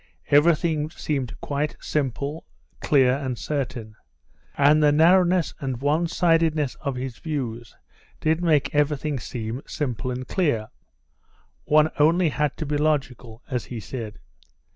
Everything seemed quite simple, clear and certain. And the narrowness and one sidedness of his views did make everything seem simple and clear. One only had to be logical, as he said.